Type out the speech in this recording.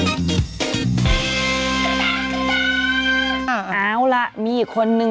เอาล่ะมีอีกคนนึง